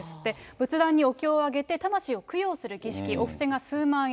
仏壇にお経をあげて魂を供養する儀式、お布施が数万円。